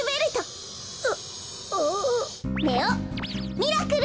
ミラクル！